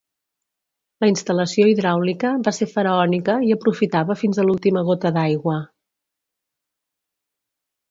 La instal·lació hidràulica va ser faraònica i aprofitava fins a l'última gota d'aigua.